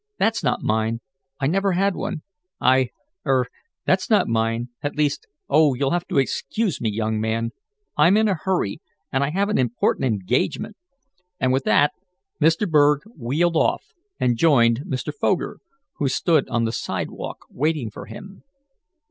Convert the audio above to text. "That's not mine. I never had one I er that's not mine at least Oh, you'll have to excuse me, young man, I'm in a hurry, and I have an important engagement!" and with that Mr. Berg wheeled off, and joined Mr. Foger, who stood on the sidewalk, waiting for him.